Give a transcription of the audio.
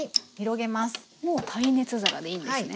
もう耐熱皿でいいんですね。